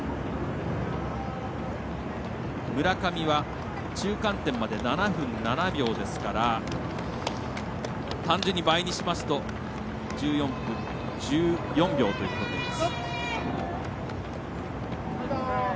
村上は、中間点まで７分７秒ですから単純に倍にしますと１４分１４秒となります。